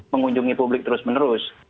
mengunjungi publik terus menerus